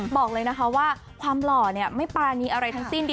บอกเลยนะคะว่าความหล่อเนี่ยไม่ปรานีอะไรทั้งสิ้น